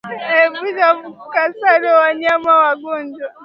Epusha mgusano na wanyama wagonjwa